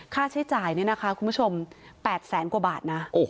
ค่าใช้จ่ายคุณผู้ชม๘แสนกว่าบาท